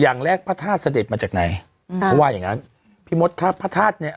อย่างแรกพระธาตุเสด็จมาจากไหนอืมเพราะว่าอย่างงั้นพี่มดครับพระธาตุเนี้ย